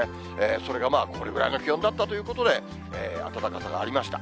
それがこれくらいの気温だったということで、暖かくなりました。